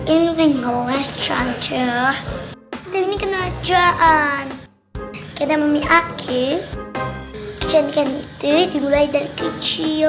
ini bukan ngeles cancerah ini kena jalan karena mami akhir perjanjian itu dimulai dari kecil